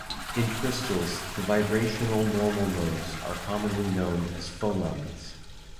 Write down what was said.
In crystals, the vibrational normal modes are commonly known as phonons.